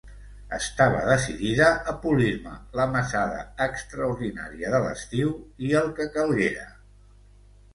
Estava decidida a polir-me la mesada extraordinària de l'estiu i el que calguera!